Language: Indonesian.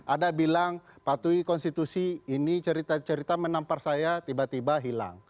ada bilang patuhi konstitusi ini cerita cerita menampar saya tiba tiba hilang